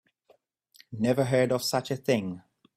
Never heard of such a thing.